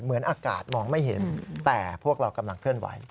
เหมือนอากาศมองไม่เห็นแต่พวกเรากำลังเคลื่อนไหว